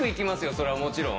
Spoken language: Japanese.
それはもちろん。